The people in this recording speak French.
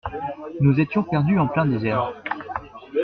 Nous étions perdus en plein désert.